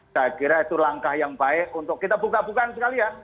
saya kira itu langkah yang baik untuk kita buka bukaan sekalian